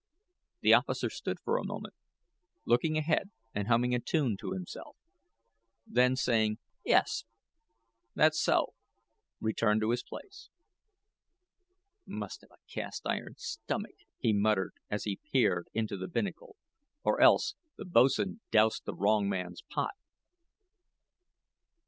The officer stood a moment, looking ahead and humming a tune to himself; then, saying: "Yes, that's so," returned to his place. "Must have a cast iron stomach," he muttered, as he peered into the binnacle; "or else the boats'n dosed the wrong man's pot."